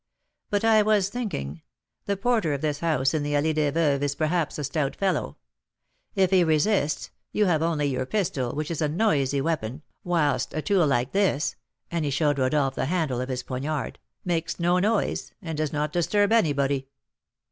But I was thinking, the porter of this house in the Allée des Veuves is perhaps a stout fellow; if he resists, you have only your pistol, which is a noisy weapon, whilst a tool like this (and he showed Rodolph the handle of his poniard) makes no noise, and does not disturb anybody."